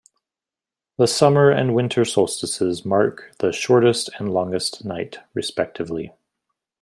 The summer and winter solstices mark the shortest and the longest night, respectively.